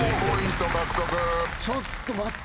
ちょっと待って。